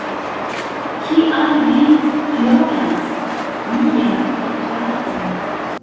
Kial vi ploras, mia korfrato?